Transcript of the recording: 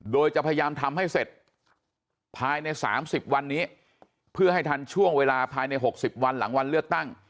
โดยจะพยายามทำให้เสร็จภายใน๓๐วันนี้เพื่อให้ทันช่วงเวลาภายใน๖๐วันหลังวันเลือกตั้ง